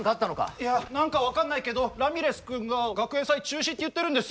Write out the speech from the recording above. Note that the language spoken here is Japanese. いや何か分かんないけどラミレス君が学園祭中止って言ってるんです。